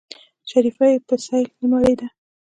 شريف يې په سيل نه مړېده.